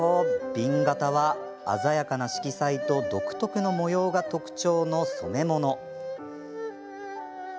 紅型は鮮やかな色彩と独特の模様が特徴の染め物。